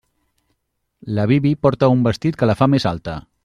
La Bibi porta un vestit que la fa més alta.